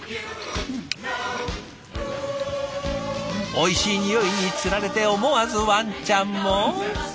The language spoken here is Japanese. おいしいにおいにつられて思わずワンちゃんも。